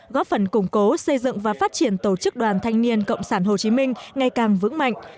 góp phần củng cố xây dựng và phát triển tổ chức đoàn thanh niên cộng sản hồ chí minh ngày càng vững mạnh